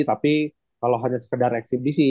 tapi kalau hanya sekedar eksibisi